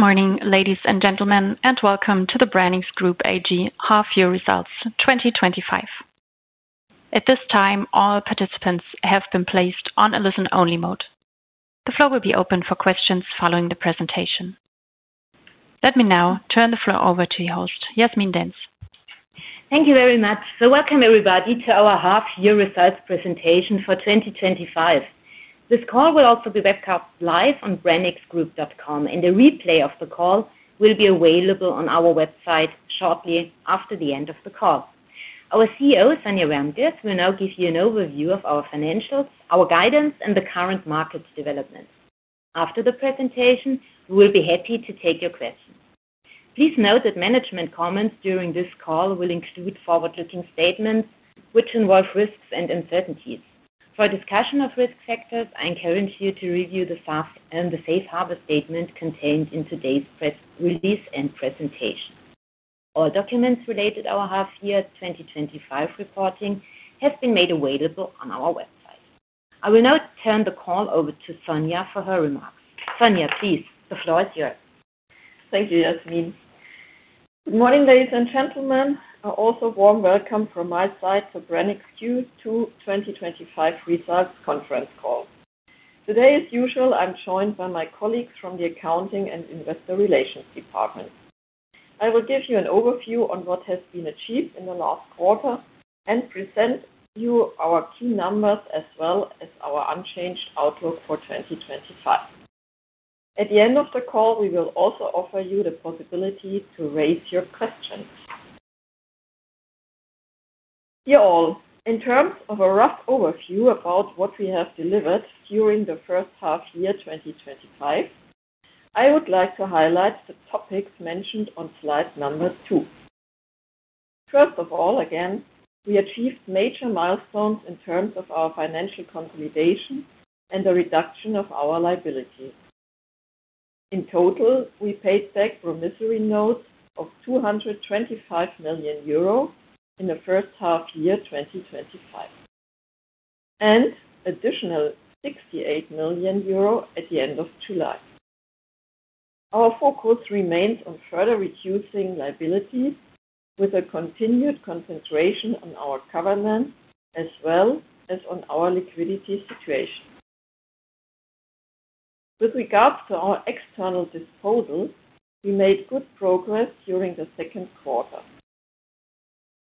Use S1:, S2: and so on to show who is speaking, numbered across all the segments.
S1: Good morning, ladies and gentlemen, and welcome to the Branicks Group AG Half Year Results 2025. At this time, all participants have been placed on a listen-only mode. The floor will be open for questions following the presentation. Let me now turn the floor over to your host, Jasmin Dentz.
S2: Thank you very much. Welcome, everybody, to our Half Year Results Presentation for 2025. This call will also be webcast live on branicksgroup.com, and a replay of the call will be available on our website shortly after the end of the call. Our CEO, Sonja Wärntges, will now give you an overview of our financials, our guidance, and the current market developments. After the presentation, we will be happy to take your questions. Please note that management comments during this call will include forward-looking statements, which involve risks and uncertainties. For a discussion of risk factors, I encourage you to review the SAF and the Safe Harbor statement contained in today's presentation. All documents related to our Half Year 2025 reporting have been made available on our website. I will now turn the call over to Sonja for her remarks. Sonja, please, the floor is yours.
S3: Thank you, Jasmin. Good morning, ladies and gentlemen. Also a warm welcome from my side to Branicks' Q2 2025 results conference call. Today, as usual, I'm joined by my colleagues from the Accounting and Investor Relations Department. I will give you an overview on what has been achieved in the last quarter and present you our key numbers as well as our unchanged outlook for 2025. At the end of the call, we will also offer you the possibility to raise your questions. Dear all, in terms of a rough overview about what we have delivered during the first half of the year 2025, I would like to highlight the topics mentioned on slide number two. First of all, again, we achieved major milestones in terms of our financial consolidation and the reduction of our liabilities. In total, we paid debt promissory notes of 225 million euro in the first half of the year 2025 and an additional 68 million euro at the end of July. Our focus remains on further reducing liabilities with a continued concentration on our covenant as well as on our liquidity situation. With regards to our external disposal, we made good progress during the second quarter.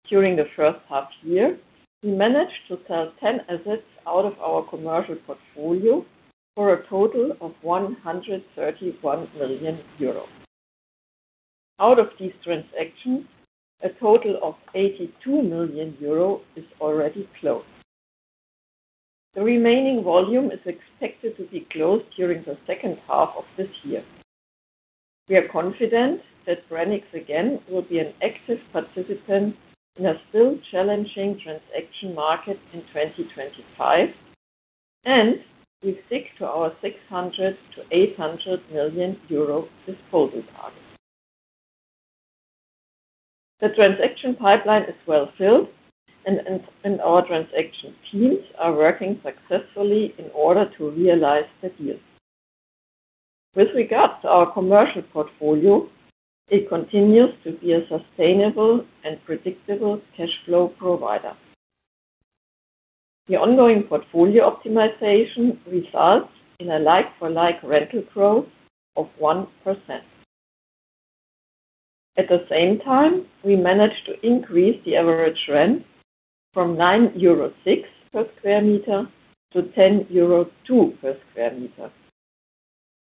S3: During the first half of the year, we managed to sell 10 assets out of our commercial portfolio for a total of 131 million euros. Out of these transactions, a total of 82 million euros is already closed. The remaining volume is expected to be closed during the second half of this year. We are confident that Branicks again will be an active participant in a still challenging transaction market in 2025 and will stick to our 600 million-800 million euro disposal target. The transaction pipeline is well-filled, and our transaction teams are working successfully in order to realize the deals. With regards to our commercial portfolio, it continues to be a sustainable and predictable cash flow provider. The ongoing portfolio optimization results in a like-for-like rental growth of 1%. At the same time, we managed to increase the average rent from 9.6 euro per sqm to 10.2 euro per sqm.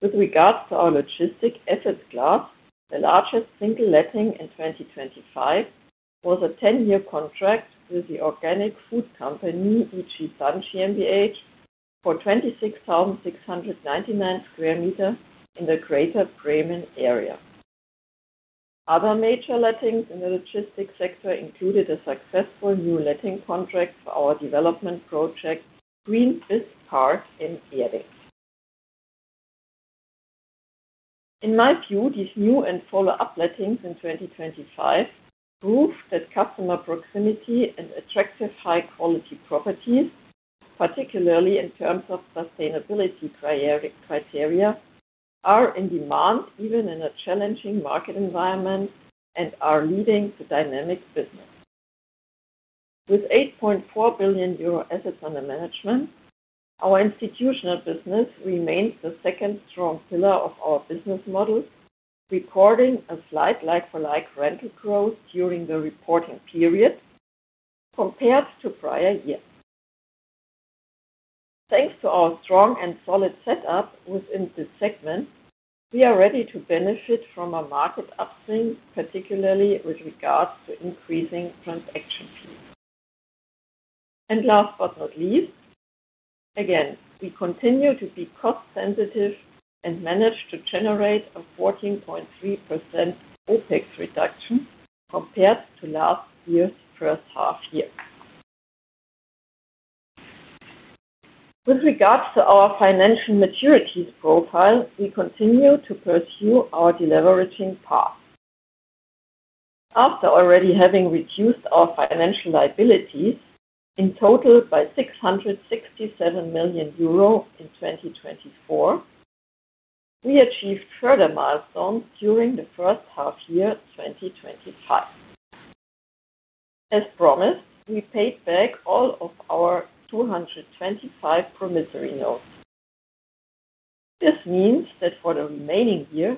S3: With regards to our logistics asset class, the largest single letting in 2025 was a 10-year contract with the organic food company Ichi Danish MBH for 26,699 sqm in the Greater Bremen area. Other major lettings in the logistics sector included a successful new letting contract for our development project, GreenBiz Park in Earrings. In my view, these new and follow-up lettings in 2025 prove that customer proximity and attractive high-quality properties, particularly in terms of sustainability criteria, are in demand even in a challenging market environment and are leading to dynamic business. With 8.4 billion euro assets under management, our institutional business remains the second strong pillar of our business model, recording a slight like-for-like rental growth during the reporting period compared to prior years. Thanks to our strong and solid setup within this segment, we are ready to benefit from a market upswing, particularly with regards to increasing transaction fees. Last but not least, we continue to be cost-sensitive and manage to generate a 14.3% OpEx reduction compared to last year's first half of the year. With regards to our financial maturities profile, we continue to pursue our deleveraging path. After already having reduced our financial liabilities in total by 667 million euro in 2024, we achieved further milestones during the first half of the year 2025. As promised, we paid back all of our 225 promissory notes. This means that for the remaining year,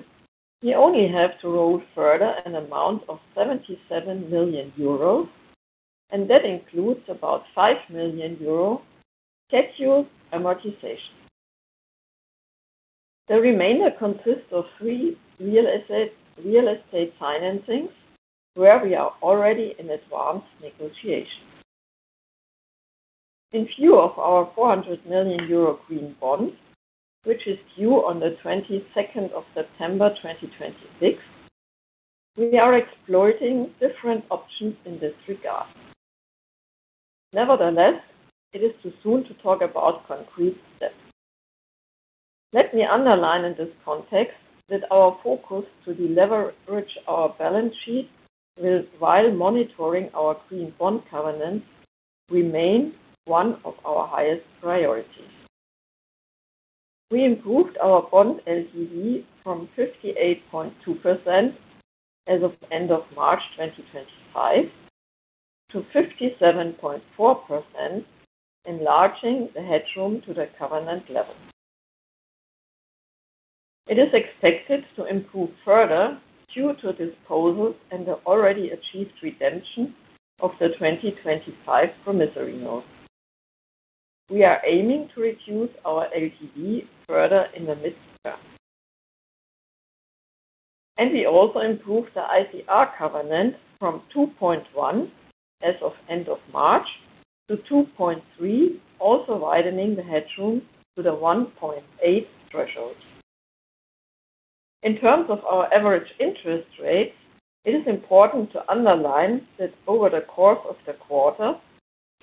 S3: we only have to roll further an amount of 77 million euros, and that includes about 5 million euros scheduled amortization. The remainder consists of three real estate financings where we are already in advanced negotiations. In view of our 400 million euro green bond, which is due on the 22nd of September 2026, we are exploiting different options in this regard. Nevertheless, it is too soon to talk about concrete steps. Let me underline in this context that our focus to deleverage our balance sheet while monitoring our green bond covenant remains one of our highest priorities. We improved our bond LTV from 58.2% as of the end of March 2025 to 57.4%, enlarging the hedge room to the covenant level. It is expected to improve further due to disposals and the already achieved redemption of the 2025 promissory notes. We are aiming to reduce our LTV further in the mid-term. We also improved the ICR covenant from 2.1 as of the end of March to 2.3, also widening the hedge room to the 1.8 threshold. In terms of our average interest rate, it is important to underline that over the course of the quarter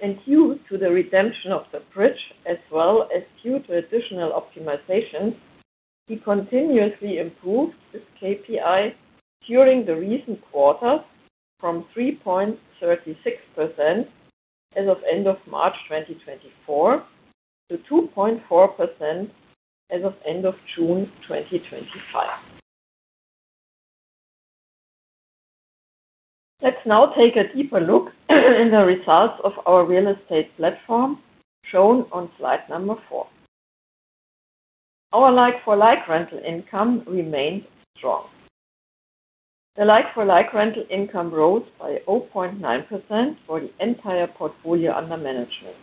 S3: and due to the redemption of the bridge, as well as due to additional optimizations, we continuously improved this KPI during the recent quarters from 3.36% as of the end of March 2024 to 2.4% as of the end of June 2025. Let's now take a deeper look at the results of our real estate platform shown on slide number four. Our like-for-like rental income remains strong. The like-for-like rental income rose by 0.9% for the entire portfolio under management.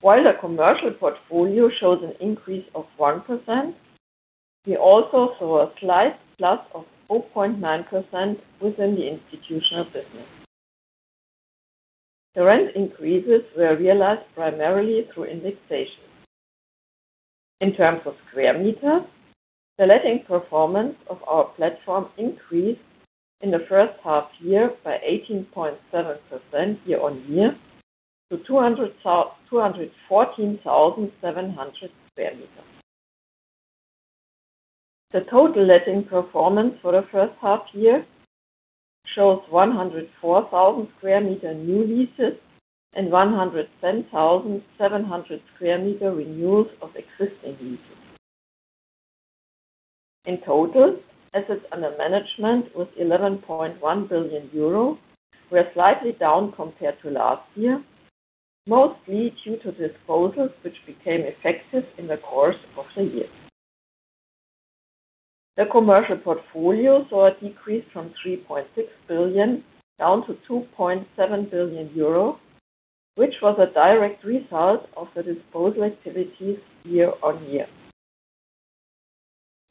S3: While the commercial portfolio shows an increase of 1%, we also saw a slight plus of 0.9% within the institutional business. The rent increases were realized primarily through indexation. In terms of sqms, the letting performance of our platform increased in the first half of the year by 18.7% year-on-year to 214,700 sqms. The total letting performance for the first half of the year shows 104,000 sqm new leases and 110,700 sqm renewals of existing leases. In total, assets under management with 11.1 billion euro were slightly down compared to last year, mostly due to disposals which became effective in the course of the year. The commercial portfolio saw a decrease from 3.6 billion down to 2.7 billion euro, which was a direct result of the disposal activities year-on-year.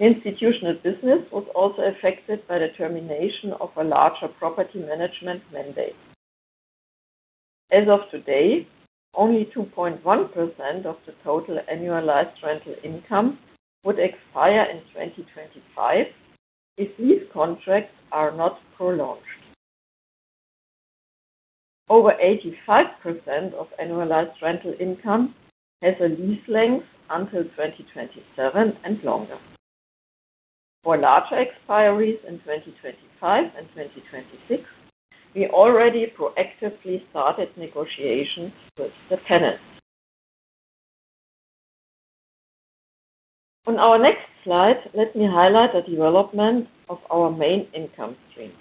S3: Institutional business was also affected by the termination of a larger property management mandate. As of today, only 2.1% of the total annualized rental income would expire in 2025 if these contracts are not prolonged. Over 85% of annualized rental income has a lease length until 2027 and longer. For larger expiry in 2025 and 2026, we already proactively started negotiations with the tenants. On our next slide, let me highlight the development of our main income stream.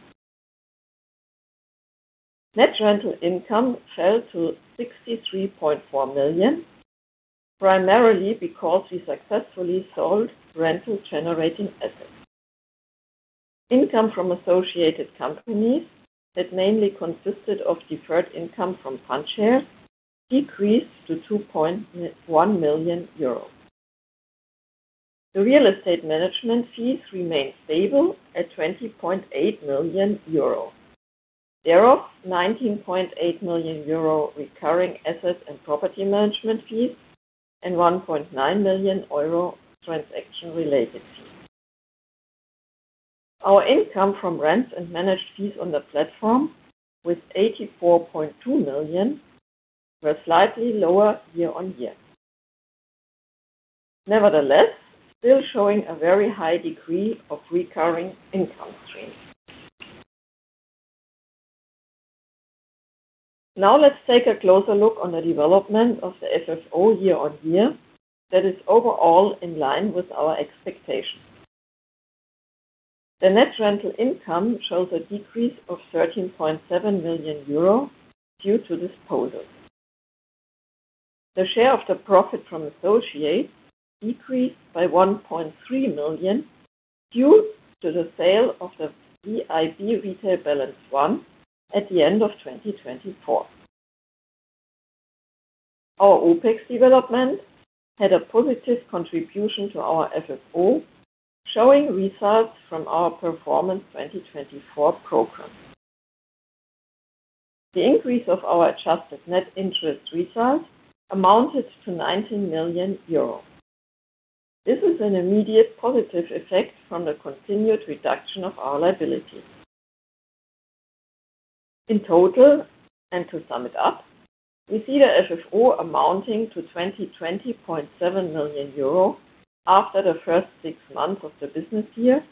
S3: Net rental income fell to 63.4 million, primarily because we successfully sold rental-generating assets. Income from associated companies that mainly consisted of deferred income from puncture decreased to 2.1 million euros. The real estate management fees remain stable at 20.8 million euro, thereof 19.8 million euro recurring assets and property management fees, and 1.9 million euro transaction-related fees. Our income from rents and managed fees on the platform with 84.2 million were slightly lower year-on-year. Nevertheless, still showing a very high degree of recurring income stream. Now let's take a closer look on the development of the FFO year-on-year that is overall in line with our expectations. The net rental income shows a decrease of 13.7 million euro due to disposals. The share of the profit from associates decreased by 1.3 million due to the sale of the VIB Retail Balance I at the end of 2024. Our OpEx development had a positive contribution to our FFO, showing results from our Performance 2024 program. The increase of our adjusted net interest results amounted to 19 million euros. This is an immediate positive effect from the continued reduction of our liabilities. In total, and to sum it up, we see the FFO amounting to 20.7 million euro after the first six months of the business year.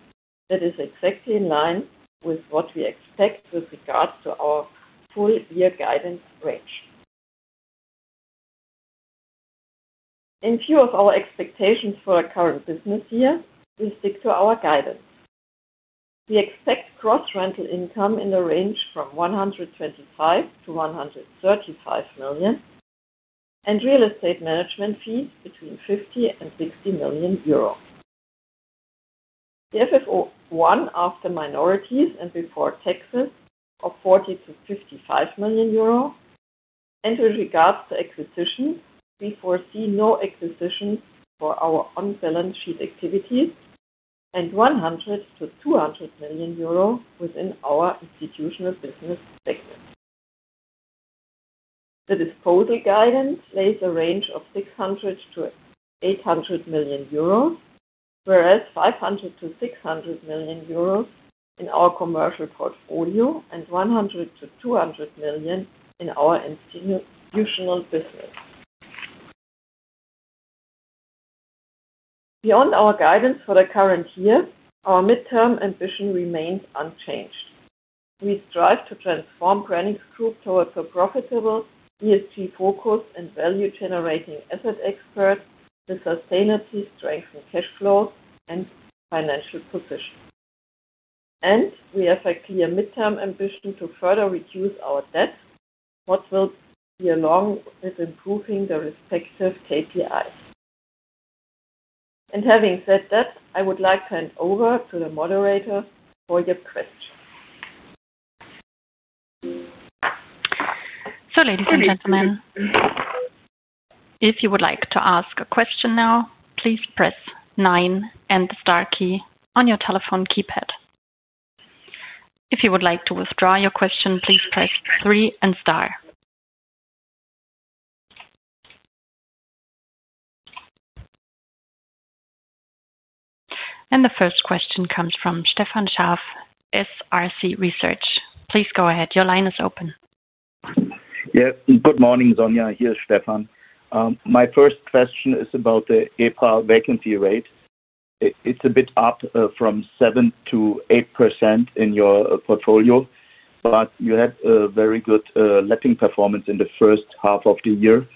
S3: That is exactly in line with what we expect with regards to our full year guidance range. In view of our expectations for the current business year, we stick to our guidance. We expect gross rental income in the range from 125 million-135 million and real estate management fees between 50 million-60 million euro. The FFO1 after minorities and before taxes of 40 million-55 million euro. With regards to acquisitions, we foresee no acquisitions for our on-balance sheet activities and 100 million-200 million euro within our institutional business sector. The disposal guidance lays a range of 600 million-800 million euros, whereas 500 million-600 million euros in our commercial portfolio and 100 million-200 million in our institutional business. Beyond our guidance for the current year, our midterm ambition remains unchanged. We strive to transform Branicks Group towards a profitable ESG-focused and value-generating asset expert to sustainably strengthen cash flow and financial position. We have a clear midterm ambition to further reduce our debt, which will be along with improving the respective KPIs. Having said that, I would like to hand over to the moderator for your question.
S1: Ladies and gentlemen, if you would like to ask a question now, please press nine and the star key on your telephone keypad. If you would like to withdraw your question, please press three and star. The first question comes from Stefan Scharff, SRC Research. Please go ahead. Your line is open.
S4: Good morning, Sonja. Here's Stefan. My first question is about the EPRA vacancy rate. It's a bit up from 7%-8% in your portfolio, but you had a very good letting performance in the first half of the year.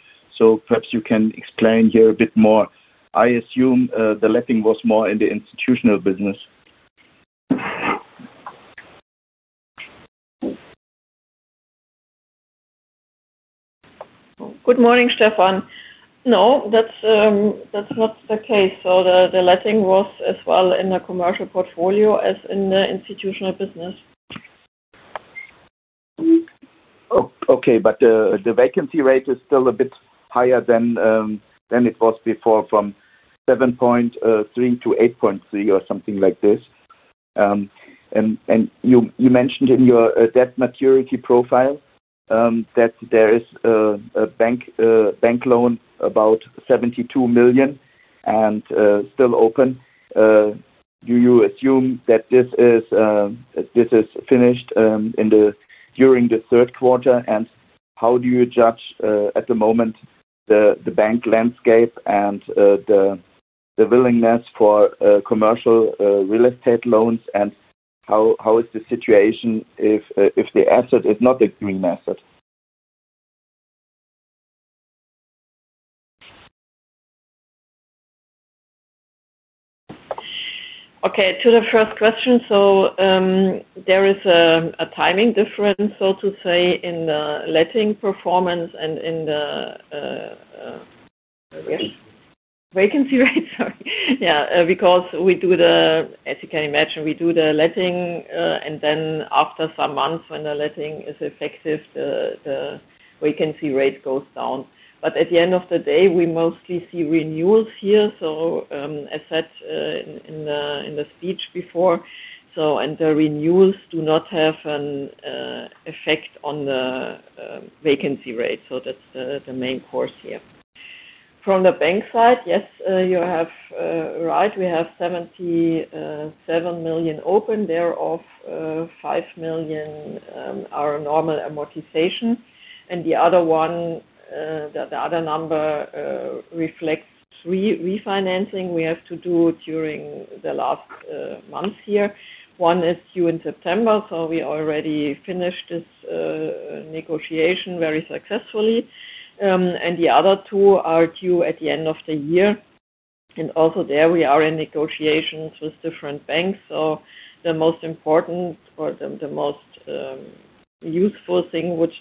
S4: Perhaps you can explain here a bit more. I assume the letting was more in the institutional business.
S3: Good morning, Stefan. No, that's not the case. The letting was as well in the commercial portfolio as in the institutional business.
S4: Okay, but the vacancy rate is still a bit higher than it was before, from 7.3%-8.3% or something like this. You mentioned in your debt maturity profile that there is a bank loan about 72 million and still open. Do you assume that this is finished during the third quarter? How do you judge at the moment the bank landscape and the willingness for commercial real estate loans? How is the situation if the asset is not a green asset?
S3: Okay, to the first question. There is a timing difference, so to say, in the letting performance and in the vacancy rate. Yeah, because we do the, as you can imagine, we do the letting, and then after some months, when the letting is effective, the vacancy rate goes down. At the end of the day, we mostly see renewals here. As said in the speech before, the renewals do not have an effect on the vacancy rate. That's the main cause here. From the bank side, yes, you are right. We have 77 million open, thereof 5 million are normal amortization. The other number reflects three refinancing we have to do during the last months here. One is due in September, so we already finished this negotiation very successfully. The other two are due at the end of the year. Also, there we are in negotiations with different banks. The most important or the most useful thing would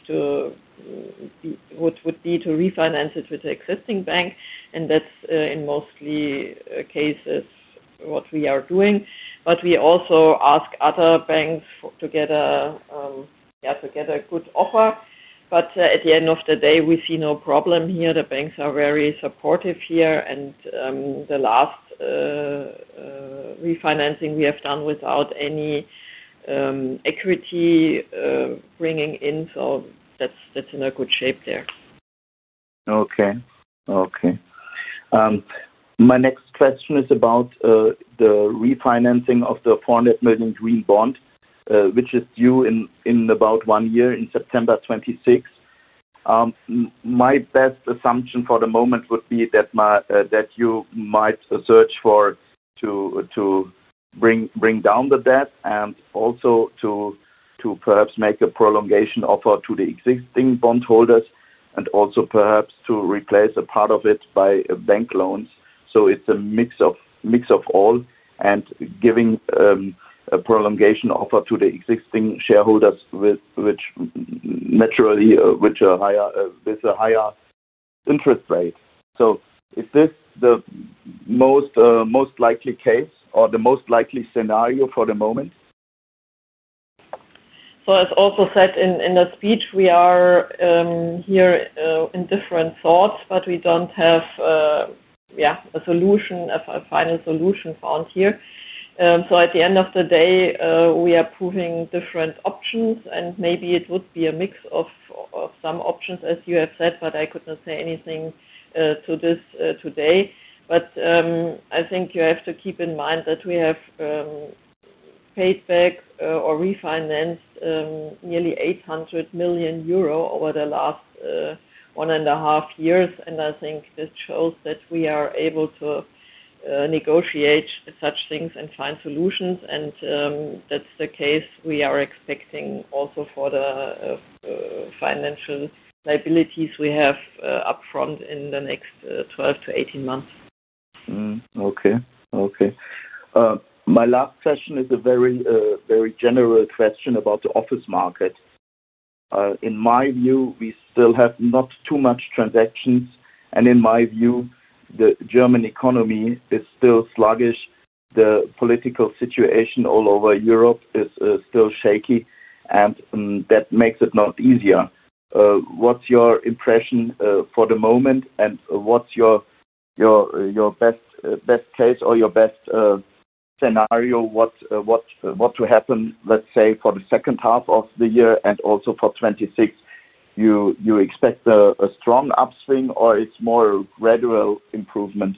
S3: be to refinance it with the existing bank. That's in most cases what we are doing. We also ask other banks to get a good offer. At the end of the day, we see no problem here. The banks are very supportive here. The last refinancing we have done without any equity bringing in, so that's in a good shape there.
S4: Okay. My next question is about the refinancing of the 400 million green bond, which is due in about one year, in September 2026. My best assumption for the moment would be that you might search to bring down the debt and also to perhaps make a prolongation offer to the existing bondholders and also perhaps to replace a part of it by bank loans. It's a mix of all and giving a prolongation offer to the existing shareholders, which naturally with a higher interest rate. Is this the most likely case or the most likely scenario for the moment?
S3: As also said in the speech, we are here in different thoughts, but we don't have a final solution found here. At the end of the day, we are proving different options, and maybe it would be a mix of some options, as you have said. I could not say anything to this today. I think you have to keep in mind that we have paid back or refinanced nearly 800 million euro over the last one and a half years. I think this shows that we are able to negotiate such things and find solutions. That is the case we are expecting also for the financial liabilities we have upfront in the next 12 to 18 months.
S4: Okay. My last question is a very, very general question about the office market. In my view, we still have not too much transactions. In my view, the German economy is still sluggish. The political situation all over Europe is still shaky, and that makes it not easier. What's your impression for the moment? What's your best case or your best scenario? What to happen, let's say, for the second half of the year and also for 2026? You expect a strong upswing or it's more a gradual improvement?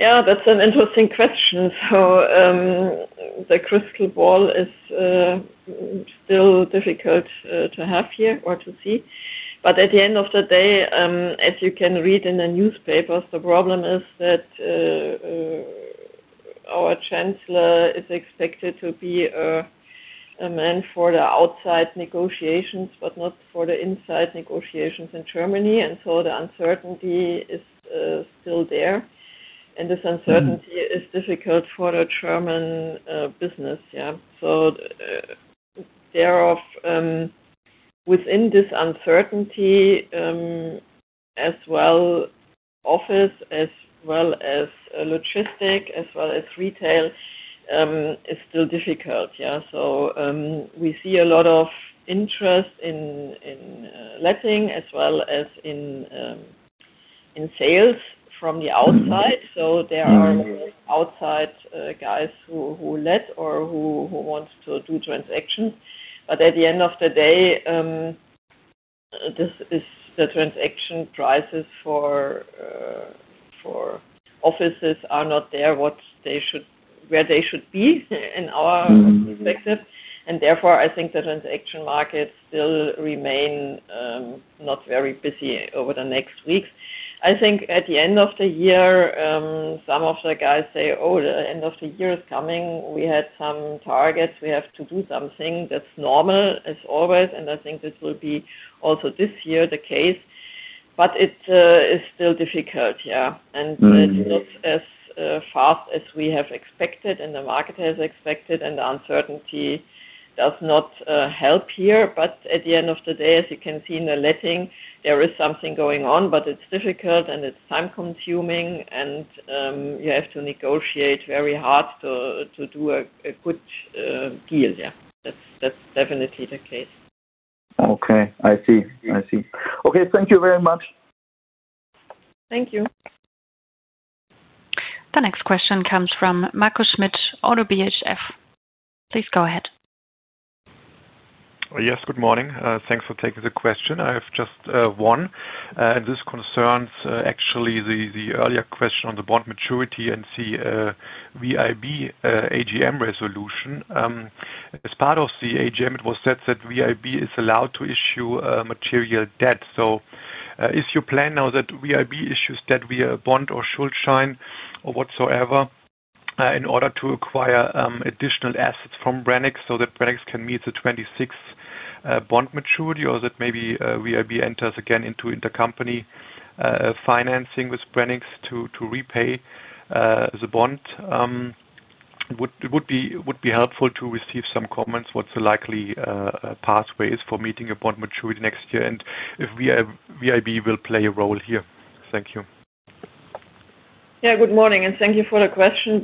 S3: Yeah, that's an interesting question. The crystal ball is still difficult to have here or to see. At the end of the day, as you can read in the newspapers, the problem is that our chancellor is expected to be a man for the outside negotiations, but not for the inside negotiations in Germany. The uncertainty is still there, and this uncertainty is difficult for the German business. Within this uncertainty, as well, office as well as logistics as well as retail is still difficult. We see a lot of interest in letting as well as in sales from the outside. There are outside guys who let or who want to do transactions. At the end of the day, the transaction prices for offices are not there where they should be in our perspective. Therefore, I think the transaction market still remains not very busy over the next weeks. I think at the end of the year, some of the guys say, "Oh, the end of the year is coming. We had some targets. We have to do something." That's normal, as always. I think this will be also this year the case. It is still difficult, and it's not as fast as we have expected and the market has expected, and the uncertainty does not help here. At the end of the day, as you can see in the letting, there is something going on, but it's difficult and it's time-consuming, and you have to negotiate very hard to do a good deal. That's definitely the case.
S4: Okay. I see. Okay. Thank you very much.
S3: Thank you.
S1: The next question comes from Markus Schmitt, ODDO BHF. Please go ahead.
S5: Yes, good morning. Thanks for taking the question. I have just one. This concerns actually the earlier question on the bond maturity and the VIB AGM resolution. As part of the AGM, it was said that VIB is allowed to issue material debt. Is your plan now that VIB issues debt via bond or Schuldschein or whatsoever in order to acquire additional assets from Branicks so that Branicks can meet the 2026 bond maturity, or that maybe VIB enters again into intercompany financing with Branicks to repay the bond? Would be helpful to receive some comments what the likely pathway is for meeting a bond maturity next year and if VIB will play a role here. Thank you.
S3: Good morning. Thank you for the question.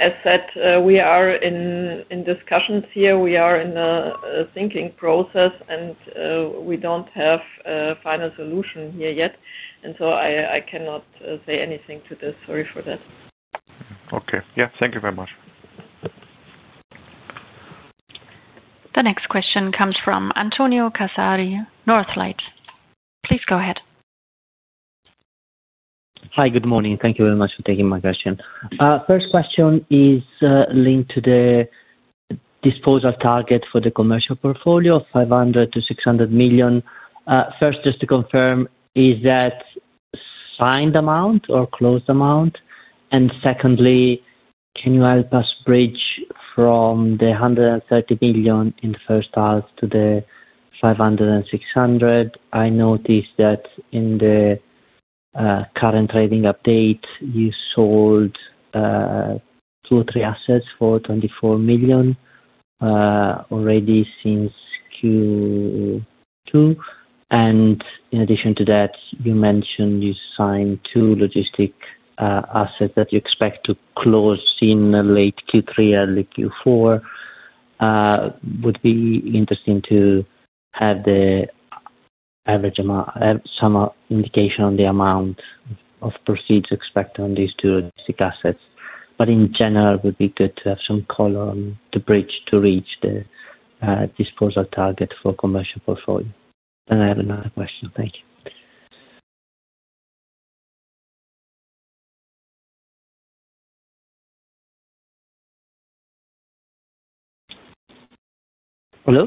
S3: As said, we are in discussions here. We are in the thinking process, and we don't have a final solution here yet. I cannot say anything to this. Sorry for that.
S5: Okay, yeah. Thank you very much.
S1: The next question comes from Antonio Casari, Northlight. Please go ahead.
S6: Hi, good morning. Thank you very much for taking my question. First question is linked to the disposal target for the commercial portfolio of 500-600 million. First, just to confirm, is that a signed amount or a closed amount? Secondly, can you help us bridge from the 130 million in the first half to the 500 and 600 million? I noticed that in the current trading update, you sold two or three assets for 24 million already since Q2. In addition to that, you mentioned you signed two logistics assets that you expect to close in late Q3 or early Q4. It would be interesting to have some indication on the amount of proceeds expected on these two logistics assets. In general, it would be good to have some column to bridge to reach the disposal target for the commercial portfolio. I have another question. Thank you. Hello?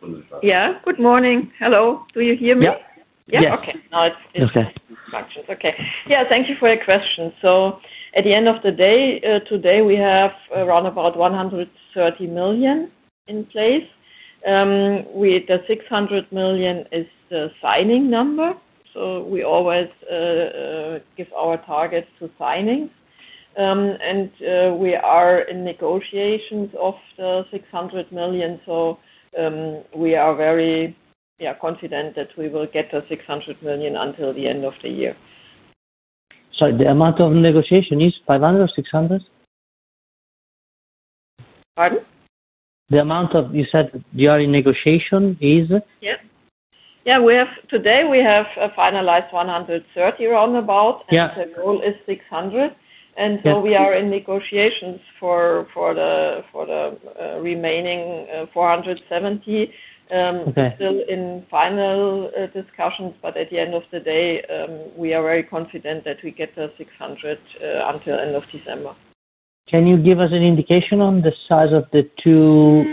S3: Good morning. Hello. Do you hear me?
S6: Yeah.
S3: Okay. Now it's functioning. Okay. Thank you for your question. At the end of the day, today we have around 130 million in place. The 600 million is the signing number. We always give our targets to signings. We are in negotiations of the 600 million. We are very confident that we will get the 600 million until the end of the year.
S6: is the amount of negotiation 500 million or 600 million?
S3: Pardon?
S6: The amount you said you are in negotiation is?
S3: Yeah. We have today, we have finalized 130 million, roundabout, and the goal is 600 million. We are in negotiations for the remaining 470 million, still in final discussions. At the end of the day, we are very confident that we get the 600 million until the end of December.
S6: Can you give us an indication on the size of the two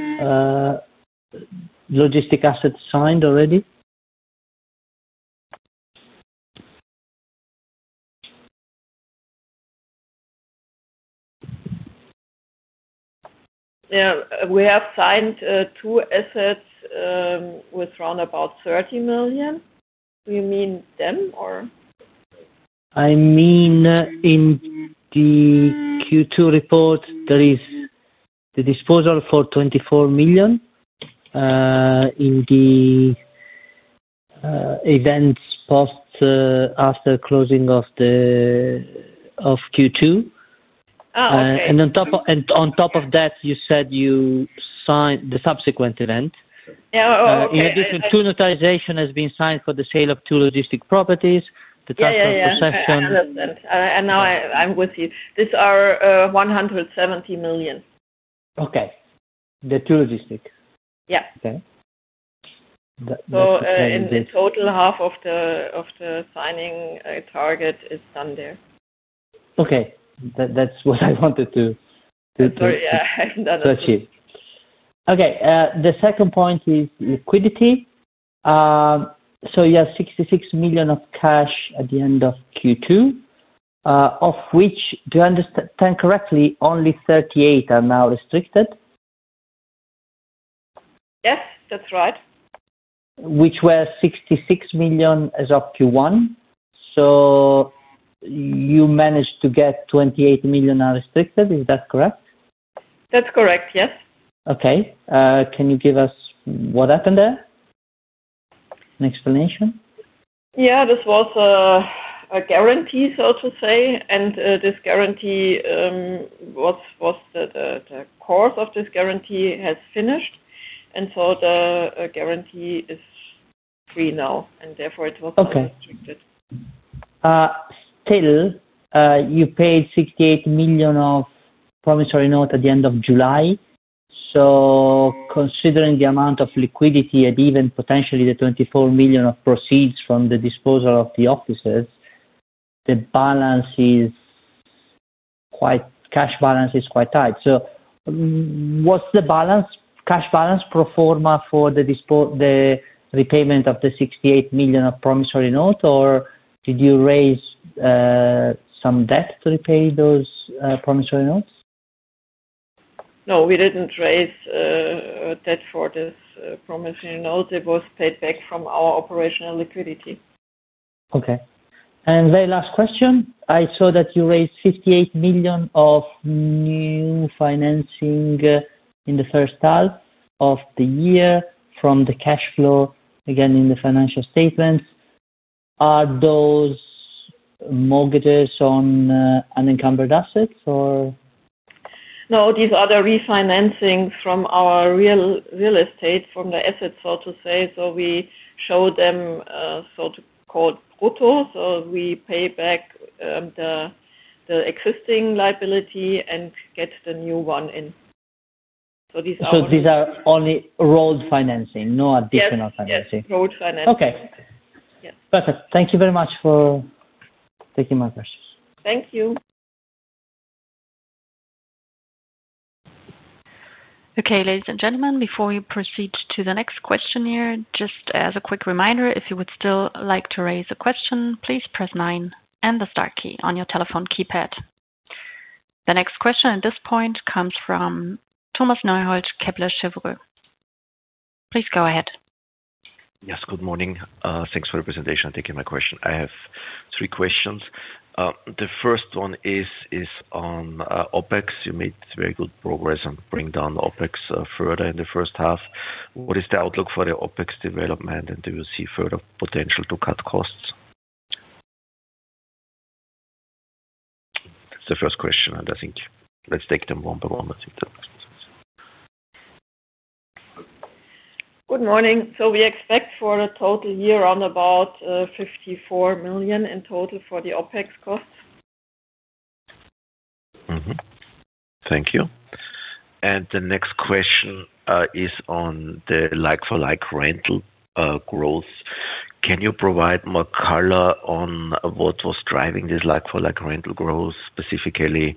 S6: logistics assets signed already?
S3: Yeah, we have signed two assets with around 30 million. Do you mean them, or?
S6: I mean in the Q2 report, there is the disposal for 24 million in the events post after closing of Q2. On top of that, you said you signed the subsequent event.
S3: Yeah.
S6: In addition, two notifications have been signed for the sale of two logistics properties, the transfer of concession.
S3: I'm with you. These are 170 million.
S6: Okay. The two logistics?
S3: Yeah.
S6: Okay.
S3: In total, half of the signing target is done there.
S6: Okay, that's what I wanted to achieve. Okay. The second point is liquidity. You have 66 million of cash at the end of Q2, of which, do I understand correctly, only 38 million are now restricted? Yes, that's right. Which were 66 million as of Q1. You managed to get 28 million unrestricted. Is that correct?
S3: That's correct, yes.
S6: Okay. Can you give us what happened there? An explanation?
S3: Yeah, this was a guarantee, so to say. This guarantee was that the course of this guarantee has finished, and the guarantee is free now. Therefore, it was not restricted.
S6: Still, you paid 68 million of promissory notes at the end of July. Considering the amount of liquidity and even potentially the 24 million of proceeds from the disposal of the offices, the cash balance is quite tight. What's the cash balance pro forma for the repayment of the 68 million of promissory notes, or did you raise some debt to repay those promissory notes?
S3: No, we didn't raise debt for this promissory note. It was paid back from our operational liquidity.
S6: Okay. Very last question. I saw that you raised 58 million of new financing in the first half of the year from the cash flow again in the financial statements. Are those mortgages on unencumbered assets, or?
S3: No, these are the refinancings from our real estate, from the assets, so to say. We show them, so to call, brutal. We pay back the existing liability and get the new one in.
S6: These are only road financing, no additional financing.
S3: Yes, road financing.
S6: Okay.
S3: Yes.
S6: Perfect. Thank you very much for taking my questions.
S3: Thank you.
S1: Okay, ladies and gentlemen, before you proceed to the next questionnaire, just as a quick reminder, if you would still like to raise a question, please press nine and the star key on your telephone keypad. The next question at this point comes from Thomas Neuhold, Kepler Cheuvreux. Please go ahead.
S7: Yes, good morning. Thanks for the presentation. I'm taking my question. I have three questions. The first one is on OPEX. You made very good progress on bringing down OPEX further in the first half. What is the outlook for the OPEX development, and do you see further potential to cut costs? That's the first question, and I think let's take them one by one as you do.
S3: Good morning. We expect for the total year roundabout 54 million in total for the OPEX costs.
S8: Thank you. The next question is on the like-for-like rental growth. Can you provide more color on what was driving this like-for-like rental growth, specifically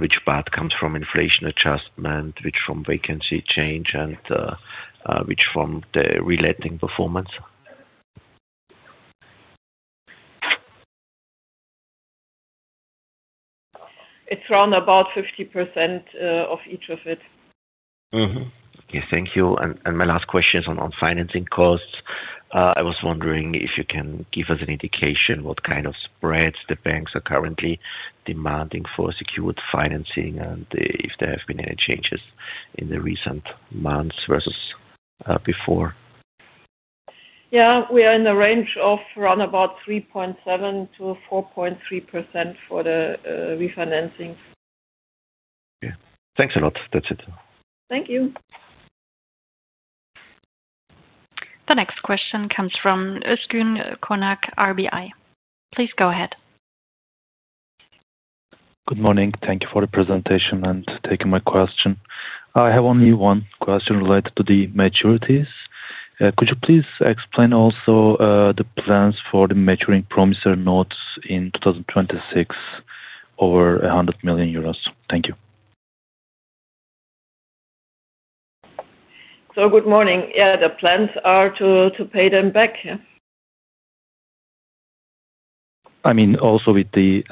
S8: which part comes from inflation adjustment, which from vacancy change, and which from the reletting performance?
S3: It's around about 50% of each of it.
S8: Yes, thank you. My last question is on financing costs. I was wondering if you can give us an indication what kind of spreads the banks are currently demanding for secured financing, and if there have been any changes in the recent months versus before.
S3: Yeah, we are in the range of around about 3.7%-4.3% for the refinancings.
S8: Okay, thanks a lot. That's it.
S3: Thank you.
S1: The next question comes from [Özgün Konak], RBI. Please go ahead.
S9: Good morning. Thank you for the presentation and taking my question. I have only one question related to the maturities. Could you please explain also the plans for the maturing promissory notes in 2026 over EUR 100 million? Thank you.
S3: Good morning. The plans are to pay them back.
S9: I mean, also with the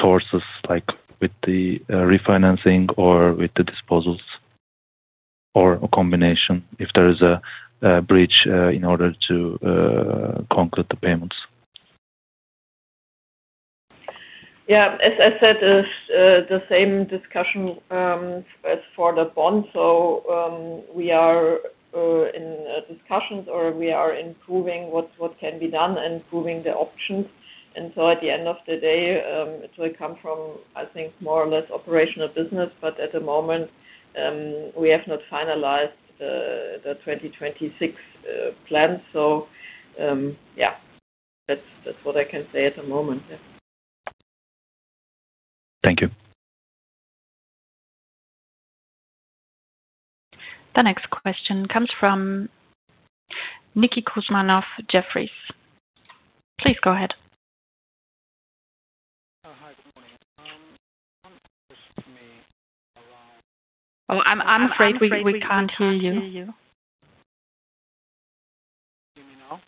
S9: sources, like with the refinancing or with the disposals or a combination if there is a bridge in order to conclude the payments.
S3: As I said, it's the same discussion as for the bond. We are in discussions, or we are improving what can be done and improving the options. At the end of the day, it will come from, I think, more or less operational business. At the moment, we have not finalized the 2026 plan. That's what I can say at the moment.
S9: Thank you.
S1: The next question comes from Niki Kouzmanov, Jefferies. Please go ahead.
S3: Oh, I'm afraid we can't hear you.
S10: Can you hear me now?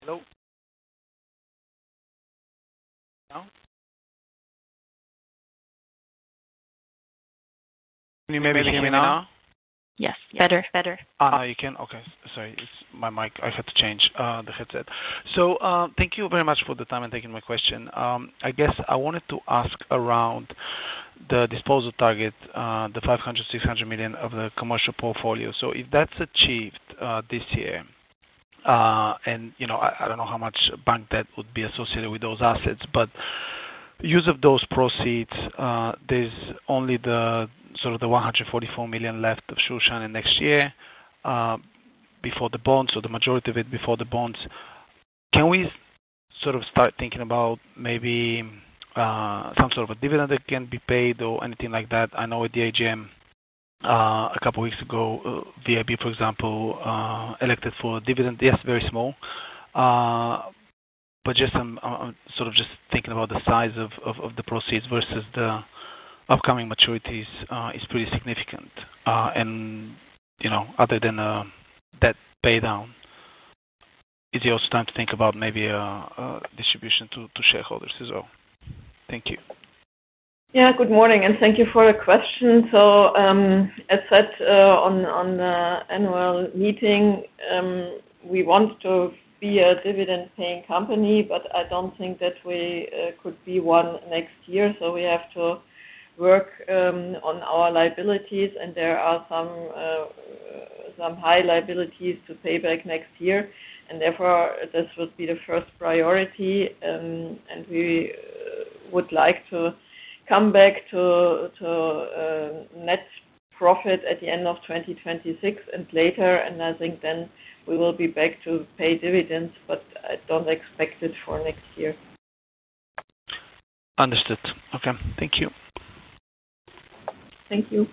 S10: Hello? Can you hear me now?
S1: Yes, better, better.
S10: Okay. Sorry. It's my mic. I've had to change the headset. Thank you very much for the time and taking my question. I guess I wanted to ask around the disposal target, the 500 million, 600 million of the commercial portfolio. If that's achieved this year, and I don't know how much bank debt would be associated with those assets, but use of those proceeds, there's only the sort of the 144 million left of Schuldschein in the next year before the bonds, so the majority of it before the bonds. Can we start thinking about maybe some sort of a dividend that can be paid or anything like that? I know at the AGM a couple of weeks ago, VIB, for example, elected for a dividend. Yes, very small. I'm just thinking about the size of the proceeds versus the upcoming maturities is pretty significant. Other than that paydown, is it also time to think about maybe a distribution to shareholders as well? Thank you.
S3: Good morning, and thank you for the question. As said at the annual meeting, we want to be a dividend-paying company. I don't think that we could be one next year. We have to work on our liabilities, and there are some high liabilities to pay back next year. Therefore, this would be the first priority. We would like to come back to net profit at the end of 2026 and later. I think then we will be back to pay dividends, but I don't expect it for next year.
S10: Understood. Okay, thank you.
S3: Thank you.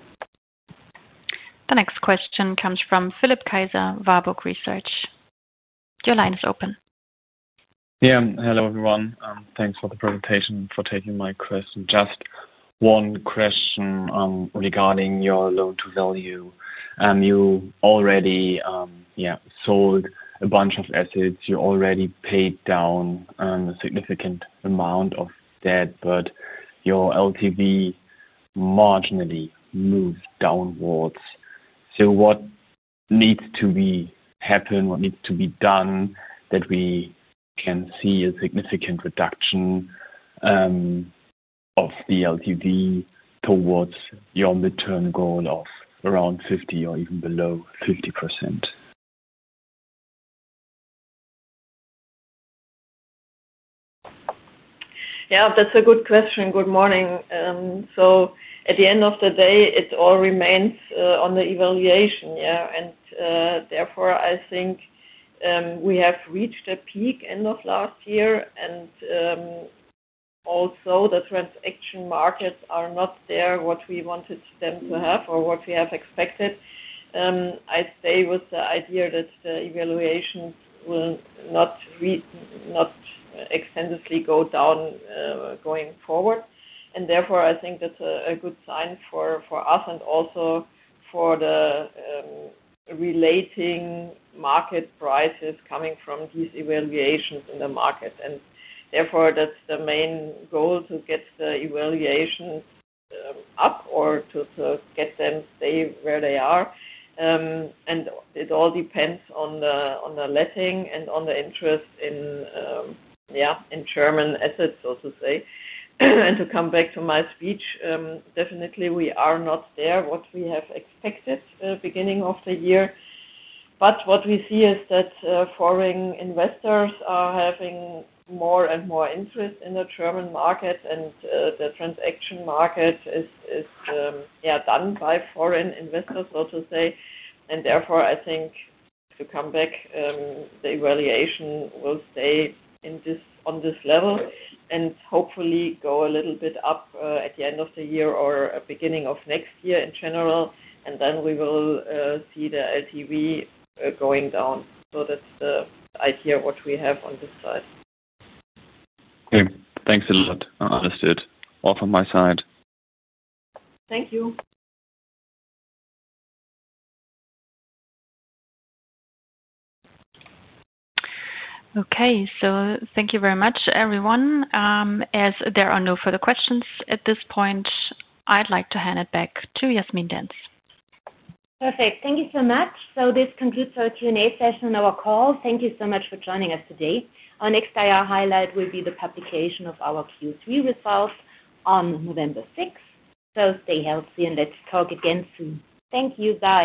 S1: The next question comes from Philipp Kaiser, Warburg Research. Your line is open.
S8: Hello, everyone. Thanks for the presentation and for taking my question. Just one question regarding your loan-to-value. You already sold a bunch of assets. You already paid down a significant amount of debt, but your LTV marginally moved downwards. What needs to happen? What needs to be done that we can see a significant reduction of the LTV towards beyond the target goal of around 50% or even below 50%?
S3: Yeah, that's a good question. Good morning. At the end of the day, it all remains on the evaluation. I think we have reached a peak end of last year. Also, the transaction markets are not there where we wanted them to be or what we have expected. I stay with the idea that the evaluations will not extendedly go down going forward. I think that's a good sign for us and also for the relating market prices coming from these evaluations in the market. That's the main goal, to get the evaluations up or to get them to stay where they are. It all depends on the letting and on the interest in German assets, so to say. To come back to my speech, definitely, we are not there where we have expected at the beginning of the year. What we see is that foreign investors are having more and more interest in the German market, and the transaction market is done by foreign investors, so to say. I think, to come back, the evaluation will stay on this level and hopefully go a little bit up at the end of the year or beginning of next year in general. Then we will see the LTV going down. That's the idea of what we have on this side.
S8: Okay. Thanks a lot. Understood. All from my side.
S3: Thank you.
S1: Okay. Thank you very much, everyone. As there are no further questions at this point, I'd like to hand it back to Jasmin Dentz.
S2: Perfect. Thank you so much. This concludes our Q&A session and our call. Thank you so much for joining us today. Our next IR highlight will be the publication of our Q3 results on November 6. Stay healthy and let's talk again soon. Thank you. Bye.